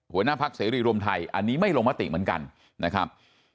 หัวหน้าพักเสรีรวมไทยอันนี้ไม่ลงมติเหมือนกันนะครับ